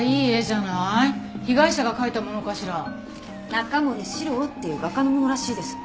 中森司郎っていう画家のものらしいです。